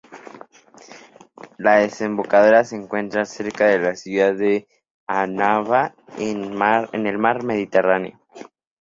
La desembocadura se encuentra cerca de la ciudad de Annaba, en el mar Mediterráneo.